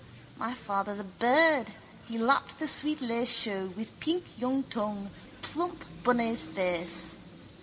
My father's a bird, he lapped the sweet lait chaud with pink young tongue, plump bunny's face.